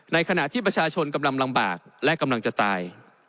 ขณะที่ประชาชนกำลังลำบากและกำลังจะตาย